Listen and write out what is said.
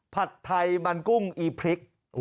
ผัดไทยมันกุ้งอีพริก